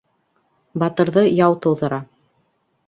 Батырҙы яу тыуҙыра.